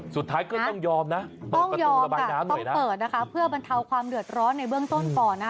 สุดท้ายก็ต้องยอมนะต้องยอมระบายน้ำต้องเปิดนะคะเพื่อบรรเทาความเดือดร้อนในเบื้องต้นก่อนนะ